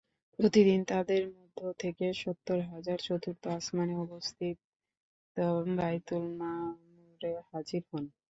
প্রতিদিন তাদের মধ্য থেকে সত্তর হাজার চতুর্থ আসমানে অবস্থিত বায়তুল মামূরে হাজির হন।